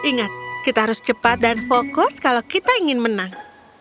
ingat kita harus cepat dan fokus kalau kita ingin menang